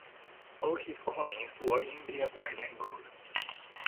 All his coins were Indian bilinguals.